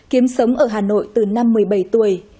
kiếm sống ở hà nội từ năm một mươi bảy tuổi